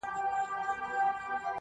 د شهید قبر یې هېر دی له جنډیو،